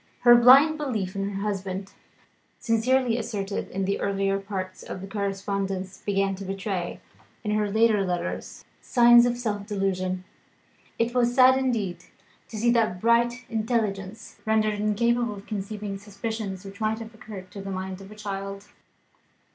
Her blind belief in her husband, sincerely asserted in the earlier part of the correspondence, began to betray, in her later letters, signs of self delusion. It was sad indeed to see that bright intelligence rendered incapable of conceiving suspicions, which might have occurred to the mind of a child.